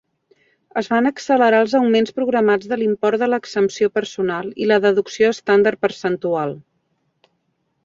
Es van accelerar els augments programats de l'import de l'exempció personal i la deducció estàndard percentual.